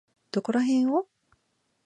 どこらへんを？